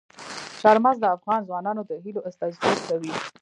چار مغز د افغان ځوانانو د هیلو استازیتوب کوي.